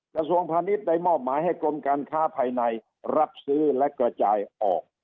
กระทรวงพาณิชย์ได้มอบหมายให้กรมการค้าภายในรับซื้อและกระจายออก